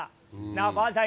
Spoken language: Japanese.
なあ、ばあさん